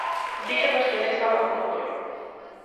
Díxonos que el estaba como tolo.